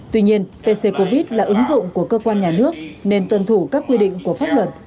tuy nhiên pc covid là ứng dụng của cơ quan nhà nước nên tuân thủ các quy định của pháp luật